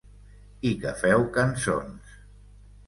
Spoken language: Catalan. I que feu cançons.